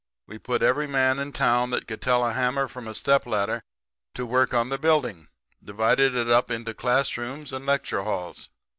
We put every man in town that could tell a hammer from a step ladder to work on the building, dividing it up into class rooms and lecture halls.